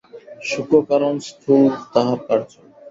সূক্ষ্ম কারণ, স্থূল তাহার কার্য।